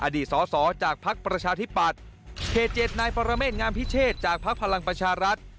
อดีตสอจากพักประชาธิปัตย์เขตเจ็ดนายปรเมษงามพิเชษจากพักพลังประชารัฐ